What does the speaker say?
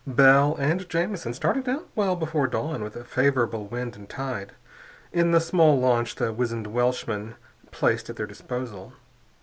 Bell and Jamison started out well before dawn with a favorable wind and tide, in the small launch the wizened Welshman placed at their disposal.